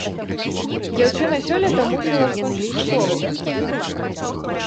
Дзяўчына сёлета мусіла скончыць школу.